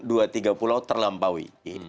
dua tiga pulau terlampaui